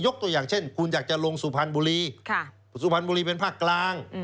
ตัวอย่างเช่นคุณอยากจะลงสุพรรณบุรีสุพรรณบุรีเป็นภาคกลาง